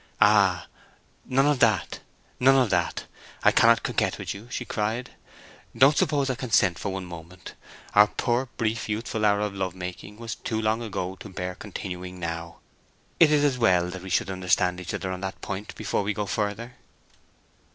"Ah! none of that! none of that—I cannot coquet with you!" she cried. "Don't suppose I consent to for one moment. Our poor, brief, youthful hour of love making was too long ago to bear continuing now. It is as well that we should understand each other on that point before we go further."